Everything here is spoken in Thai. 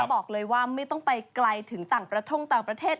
บอกเลยว่าไม่ต้องไปไกลถึงต่างประท่งต่างประเทศ